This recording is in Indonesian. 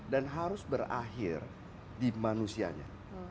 dan harus berakhir di manusianya